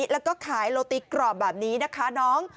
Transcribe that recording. แล้วก็ขายโลติ๊กกรอบแบบนี้นะคะน้อง